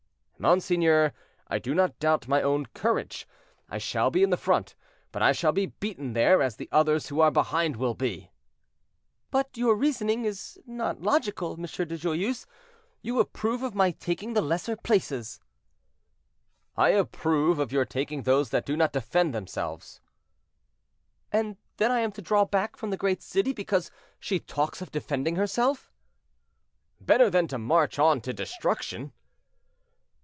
"Monseigneur, I do not doubt my own courage. I shall be in the front, but I shall be beaten there, as the others who are behind will be." "But your reasoning is not logical, M. de Joyeuse; you approve of my taking the lesser places." "I approve of your taking those that do not defend themselves." "And then I am to draw back from the great city because she talks of defending herself?" "Better than to march on to destruction."